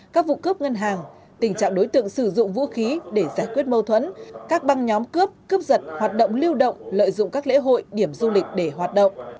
các vụ cướp ngân hàng tình trạng đối tượng sử dụng vũ khí để giải quyết mâu thuẫn các băng nhóm cướp cướp giật hoạt động lưu động lợi dụng các lễ hội điểm du lịch để hoạt động